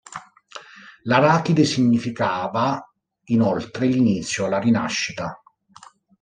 L'arachide significava inoltre l'inizio, la rinascita.